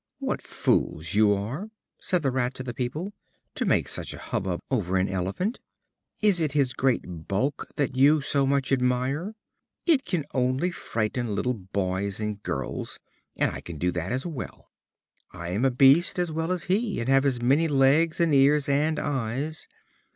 "What fools you are," said the Rat to the people, "to make such a hubbub over an elephant. Is it his great bulk that you so much admire? It can only frighten little boys and girls, and I can do that as well. I am a beast; as well as he, and have as many legs and ears and eyes.